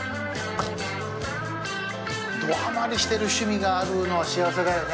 どハマりしてる趣味があるのは幸せだよね。